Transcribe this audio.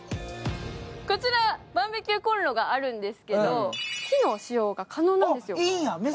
こちら、バーベキューコンロがあるんですけど火の使用が可能なんです。